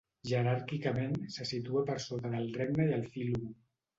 Jeràrquicament se situa per sota del regne i el fílum.